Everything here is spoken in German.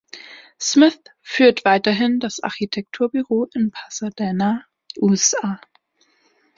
Smith führt weiterhin das Architekturbüro in Pasadena, USA.